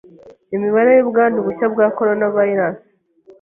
Imibare y’ubwandu bushya bwa Coronavirus